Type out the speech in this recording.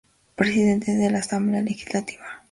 Presidentes de la Asamblea Legislativa